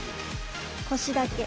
腰だけ。